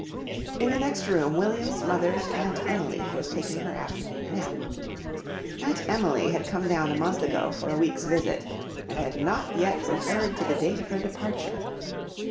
In the next room William's mother's Aunt Emily was taking her afternoon nap. Aunt Emily had come down a month ago for a week's visit and had not yet referred to the date of her departure.